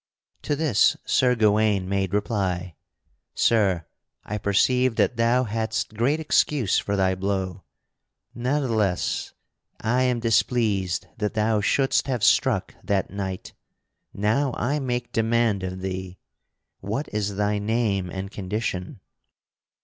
To this Sir Gawaine made reply: "Sir, I perceive that thou hadst great excuse for thy blow. Ne'theless, I am displeased that thou shouldst have struck that knight. Now I make demand of thee what is thy name and condition?"